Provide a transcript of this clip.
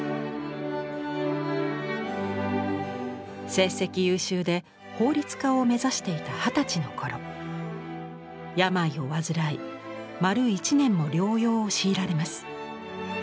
成績優秀で法律家を目指していた二十歳の頃病を患い丸１年も療養を強いられます。